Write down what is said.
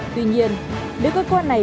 tuy nhiên nếu cơ quan này